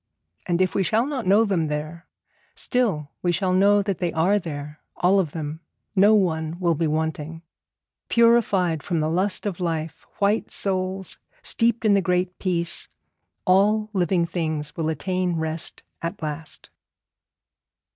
And if we shall not know them there, still we shall know that they are there, all of them not one will be wanting. Purified from the lust of life, white souls steeped in the Great Peace, all living things will attain rest at last.